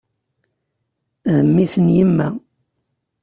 D mmi-s n yemma.